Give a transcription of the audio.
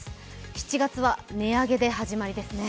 ７月は値上げで始まりですね。